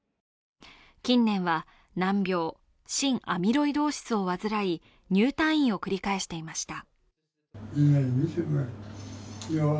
近年は、難病心アミロイドーシスを患い入退院を繰り返していました。